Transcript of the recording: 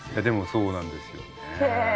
でもそうなんですよね。